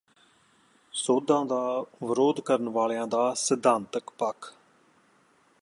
ਸੋਧਾਂ ਦਾ ਵਿਰੋਧ ਕਰਨ ਵਾਲਿਆਂ ਦਾ ਸਿਧਾਂਤਕ ਪੱਖ